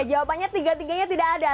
jawabannya tiga tiganya tidak ada